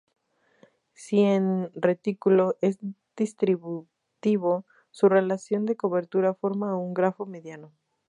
Si un retículo es distributivo, su relación de cobertura forma un grafo mediano.